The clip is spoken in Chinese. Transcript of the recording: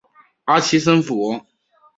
阿奇森府。